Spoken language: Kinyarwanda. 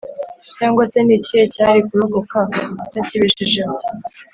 Cyangwa se n’ikihe cyari kurokoka utakibeshejeho?